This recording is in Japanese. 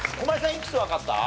いくつわかった？